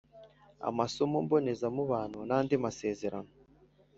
Amasomo mbonezamubano n’andi masezerano